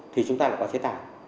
thì chúng ta có chế tải